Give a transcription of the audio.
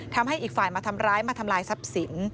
ให้อีกฝ่ายมาทำร้ายมาทำลายทรัพย์สิน